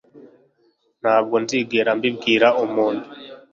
Ntabwo nzigera mbibwira umuntu.